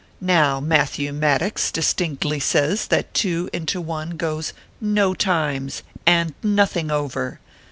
Now Matthew Maticks distinctly says that two into one goes no times, and nothing over.